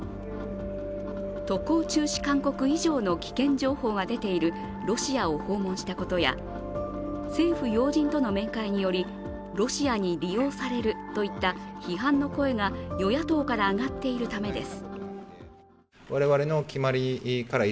渡航中止勧告以上の危険情報が出ているロシアを訪問したことや政府要人との面会により、ロシアに利用されるといった批判の声が与野党から上がっているためです。